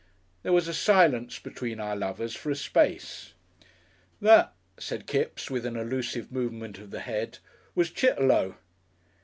There was a silence between our lovers for a space. "That," said Kipps with an allusive movement of the head, "was Chitterlow."